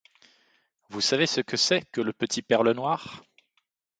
Vous savez ce que c'est que le petit père Lenoir?